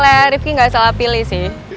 maksudnya rifqi gak salah pilih sih